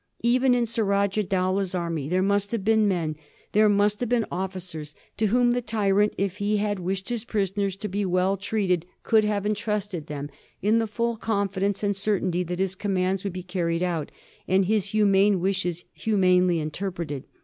Even in Surajah Dowlah^s army there must have been men, there must have been officers, to whom the tyrant, if he had wished his prisoners to be well treated, could have in trusted them, in the full confidence and certainty that his commands would be carried out, and his humane wishes humanely interpreted.